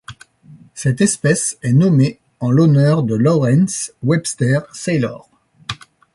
Cette espèce est nommée en l'honneur de Lawrence Webster Saylor.